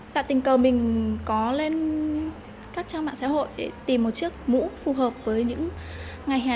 dạ tình cầu mình có lên các trang mạng xã hội để tìm một chiếc mũ phù hợp với những ngày hè